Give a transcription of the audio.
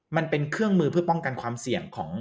มันเป็นเครื่องมือเพื่อป้องกันความเสี่ยงของ